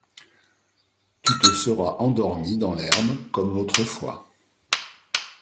Tu te seras endormie dans l’herbe, comme l’autre fois.